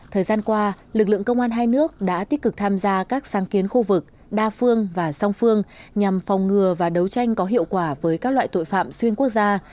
hai nước đã tích cực tham gia các sáng kiến khu vực đa phương và song phương nhằm phòng ngừa và đấu tranh có hiệu quả với các loại tội phạm xuyên quốc gia